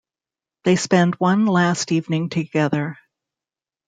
They spend one last evening together.